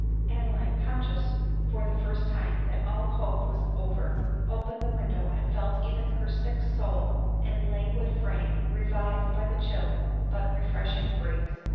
Adeline, conscious for the first time that all hope was over, opened the window, and felt even her sick soul and languid frame revived by the chill but refreshing breeze.